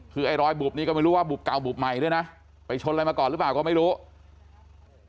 คือไอ้รอยบุบนี่ก็ไม่รู้ว่าบุบเก่าบุบใหม่ด้วยนะไปชนอะไรมาก่อนหรือเปล่าก็ไม่รู้